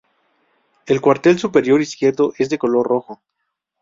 El cuartel superior izquierdo es de color rojo.